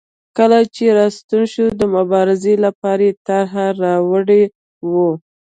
کله چې راستون شو د مبارزې لپاره یې طرحه راوړې وه.